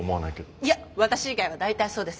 いや私以外は大体そうです。